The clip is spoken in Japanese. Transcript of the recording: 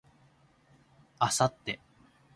明後日